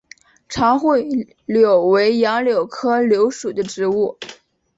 长穗柳为杨柳科柳属的植物。